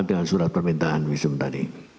dengan surat permintaan wisum tadi